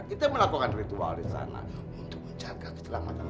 kita melakukan ritual di sana untuk menjaga keselamatan